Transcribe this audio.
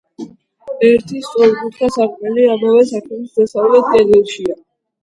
ერთი სწორკუთხა სარკმელი ამავე სართულის დასავლეთ კედელშიცაა.